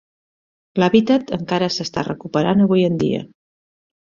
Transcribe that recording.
L'hàbitat encara s'està recuperant avui dia.